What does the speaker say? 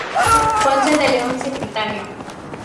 Ponce de León, Secretario.